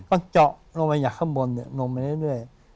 ก็เจาะลงไปอย่างข้างบนลงไปได้ด้วย